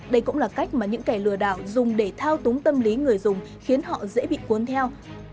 đây cũng là cách mà những kẻ lừa đảo dùng để thao túng tâm lý người dùng khiến họ dễ bị cuốn theo